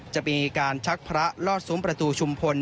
จะมีการชักพระลอดซุ้มประตูชุมพล